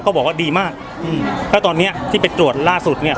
บอกว่าดีมากอืมแล้วตอนเนี้ยที่ไปตรวจล่าสุดเนี้ย